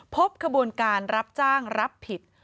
พบขบวนการรับจ้างรับผิด